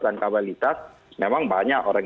dan kapalitas memang banyak orang